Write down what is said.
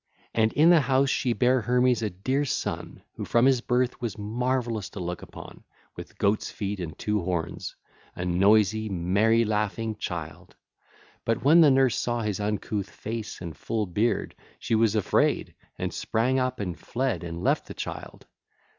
And in the house she bare Hermes a dear son who from his birth was marvellous to look upon, with goat's feet and two horns—a noisy, merry laughing child. But when the nurse saw his uncouth face and full beard, she was afraid and sprang up and fled and left the child.